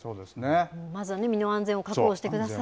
まずはね、身の安全を確保してください。